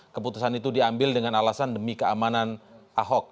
keputusan itu diambil dengan alasan demi keamanan ahok